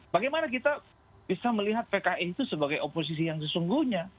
bagaimana kita bisa melihat pks itu sebagai oposisi yang sesungguhnya